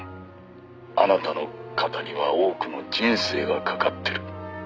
あなたの肩には多くの人生がかかってる」